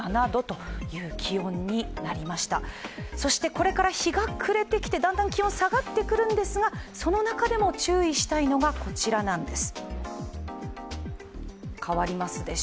これから日が暮れてきて、だんだん気温が下がってくるんですが、その中でも注意したいのがこちらなんです。